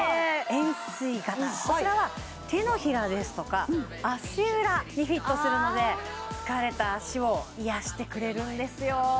円すい形こちらは手のひらですとか足裏にフィットするので疲れた足を癒やしてくれるんですよ